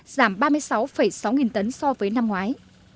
giảm ba mươi sáu sáu nghìn tấn so với năm ngoái